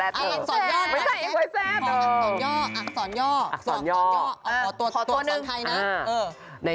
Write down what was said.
อักษรย่ออักษรย่ออักษรย่อตัวสอนไทยนะ